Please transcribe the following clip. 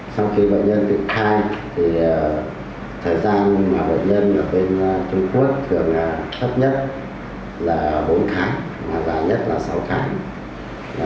sau khi bệnh nhân bị thai thời gian bệnh nhân ở bên trung quốc thường thấp nhất là bốn tháng và dài nhất là sáu tháng